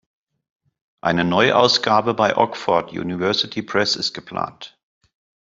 Eine Neuausgabe bei Oxford University Press ist geplant.